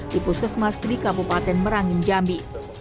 di puskesmas di kabupaten merangin jambi